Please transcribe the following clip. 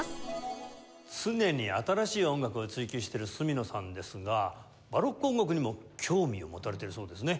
常に新しい音楽を追求している角野さんですがバロック音楽にも興味を持たれているそうですね。